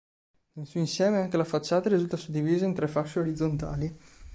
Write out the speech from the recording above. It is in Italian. Nel suo insieme anche la facciata risulta suddivisa in tre fasce orizzontali.